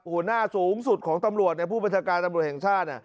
หน้าสูงสุดของตำรวจผู้บัญชาการตำรวจแห่งชาติ